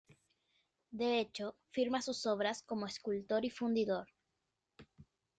De hecho firma sus obras como escultor y fundidor.